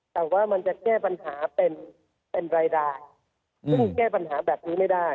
แต่จะแก้ปัญหาเป็นไรราคคือแก้ปัญหาแบบนี้ไม่ได้